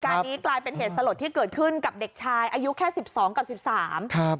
การนี้กลายเป็นเหตุสลดที่เกิดขึ้นกับเด็กชายอายุแค่๑๒กับ๑๓